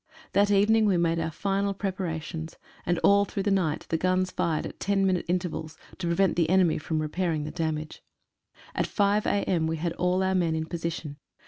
That evening we made our final preparations, and all through the night the guns fired at ten minute intervals to prevent the enemy from repairing the damage. At 5 a.m. we had all our men in position.